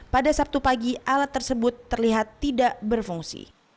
pada sabtu pagi alat tersebut terlihat tidak berfungsi